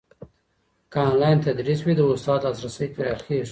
که انلاین تدریس وي، د استاد لاسرسی پراخېږي.